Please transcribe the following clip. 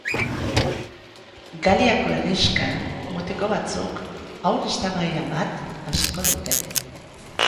Galiako herrixkan, mutiko batzuk haur eztabaida bat hasiko dute.